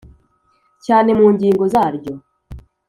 Cyane mu ngingo zaryo